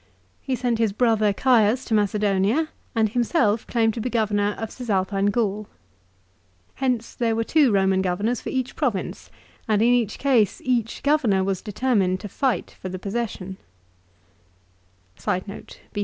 He sent his brother Caius to Macedonia, and himself claimed to be Governor of Cisalpine Gaul. Hence there were two Kornan Governors fbr each province ; and in each case each B c 44 Governor was determined to fight for the possession, setat.